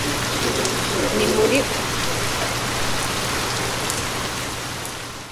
Ni muri urwo rwego hashyizweho imihigo y'ingo